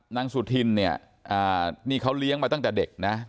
สุธินเนี่ยนี่เขาเลี้ยงมาตั้งแต่เด็กนะ